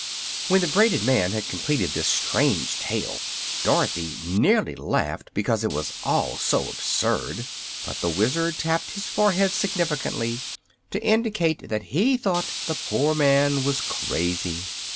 When the braided man had completed this strange tale Dorothy nearly laughed, because it was all so absurd; but the Wizard tapped his forehead significantly, to indicate that he thought the poor man was crazy.